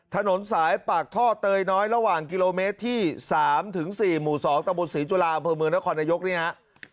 ถนนสายปากท่อเตยน้อยระหว่างกิโลเมตรที่๓๔หมู่๒ตะบุษศรีจุฬาประเมินนครนายกนี่ครับ